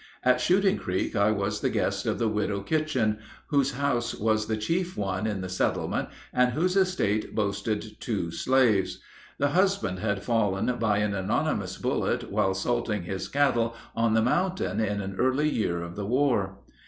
At Shooting Creek I was the guest of the Widow Kitchen, whose house was the chief one in the settlement, and whose estate boasted two slaves. The husband had fallen by an anonymous bullet while salting his cattle on the mountain in an early year of the war.